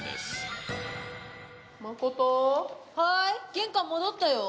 玄関戻ったよ。